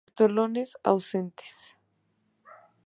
Estolones ausentes.